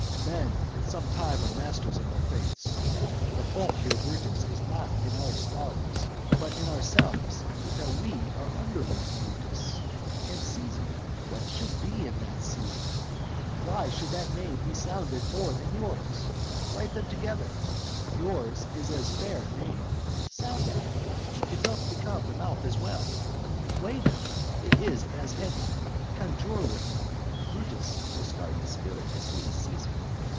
Men at some time are masters of their fates. The fault, dear Brutus, is not in our stars, But in ourselves, that we are underlings. Brutus and Cæsar; what should be in that Cæsar? Why should that name be sounded more than yours? Write them together, yours is as fair a name; Sound them, it doth become the mouth as well; Weigh them, it is as heavy; conjure with them Brutus will start a spirit as soon as Cæsar.